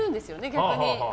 逆に。